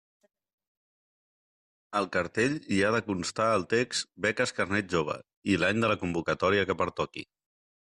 Al cartell hi ha de constar el text “beques Carnet Jove” i l'any de la convocatòria que pertoqui.